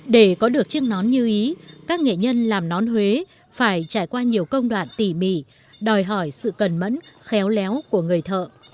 để có được chiếc nón như ý các nghệ nhân làm nón huế phải trải qua nhiều công đoạn tỉ mỉ đòi hỏi sự cần mẫn khéo léo của người thợ